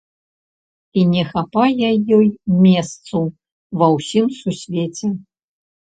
І не хапае ёй месцу ва ўсім Сусвеце.